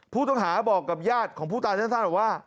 ผู้ต้องหาบอกกับญาติของผู้ตายสั้นบอกว่า